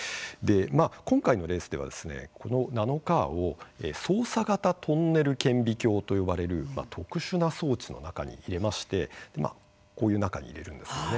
今回のレースではこのナノカーを走査型トンネル顕微鏡と呼ばれる特殊な装置の中に入れましてこういう中に入れるんですよね。